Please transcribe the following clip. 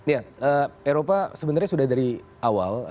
ya eropa sebenarnya sudah dari awal